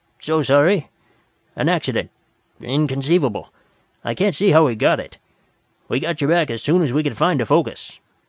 "So sorry an accident inconceivable. I can't see how he got it! We got you back as soon as we could find a focus.